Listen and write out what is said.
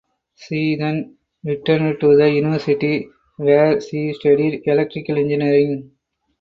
She then returned to the University where she studied electrical engineering.